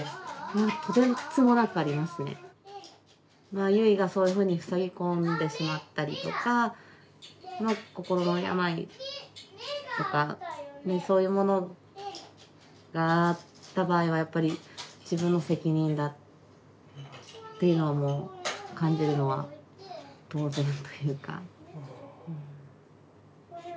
まあユイがそういうふうにふさぎこんでしまったりとか心の病とかそういうものがあった場合はやっぱり自分の責任だっていうのはもう感じるのは当然というか。